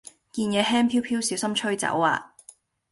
件野輕飄飄小心吹走呀